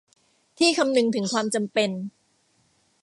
ที่คำนึงถึงความจำเป็น